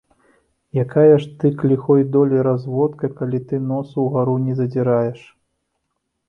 Якая ж ты, к ліхой долі, разводка, калі ты нос угару не задзіраеш!